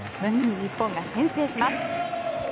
日本が先制します。